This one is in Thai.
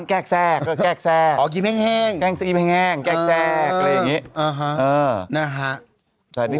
อิสานไม่ใหญ่